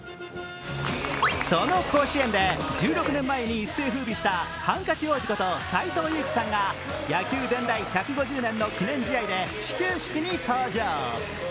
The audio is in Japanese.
その甲子園で１９年前に一世を風靡したハンカチ王子こと斎藤佑樹さんが野球伝来１５０年の記念試合で始球式に登場。